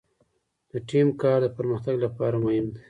د ټیم کار د پرمختګ لپاره مهم دی.